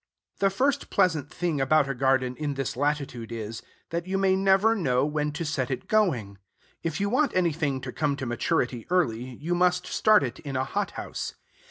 The first pleasant thing about a garden in this latitude is, that you never know when to set it going. If you want anything to come to maturity early, you must start it in a hot house.